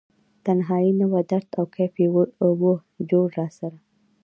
تنهایې نه وه درد او کیف یې و جوړه راسره